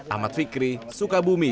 amat fikri sukabumi